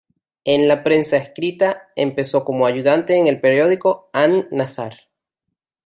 En la prensa escrita, empezó como ayudante en el periódico "An-nasr".